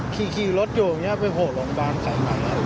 ขีคีรถอยู่ยังไงไปโผล่โรงพยาบาล